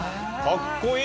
かっこいい！